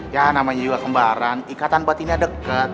ya namanya juga kembaran ikatan batinnya dekat